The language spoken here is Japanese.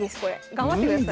頑張ってください。